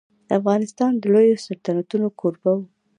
افغانستان د لويو سلطنتونو کوربه و.